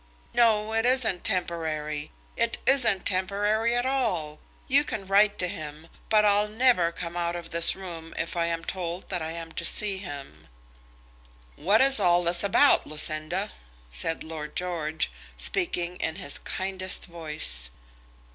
"No; it isn't temporary. It isn't temporary at all. You can write to him; but I'll never come out of this room if I am told that I am to see him." "What is all this about, Lucinda?" said Lord George, speaking in his kindest voice.